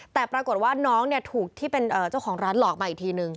แต่ปรากฏว่าน้องเนี่ยถูกที่เป็นเจ้าของร้านหลอกมาอีกทีนึง